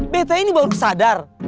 betta ini baru sadar